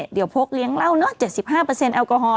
เดี๋ยวพกเลี้ยงเหล้าเนอะเจ็ดสิบห้าเปอร์เซ็นต์แอลกอฮอล์